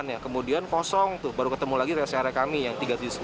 dua dua delapan ya kemudian kosong tuh baru ketemu lagi res area kami yang tiga tujuh sembilan